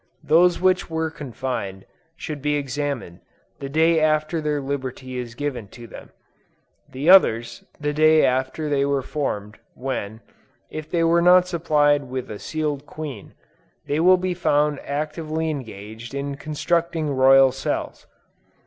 Those which were confined, should be examined, the day after their liberty is given to them; the others, the day after they were formed, when, if they were not supplied with a sealed queen, they will be found actively engaged in constructing royal cells.